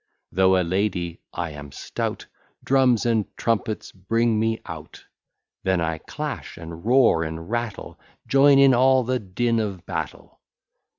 Though a lady, I am stout, Drums and trumpets bring me out: Then I clash, and roar, and rattle, Join in all the din of battle.